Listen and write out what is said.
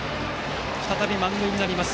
再び満塁になります。